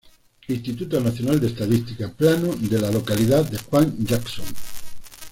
Instituto Nacional de Estadística: "Plano de la localidad de Juan Jackson"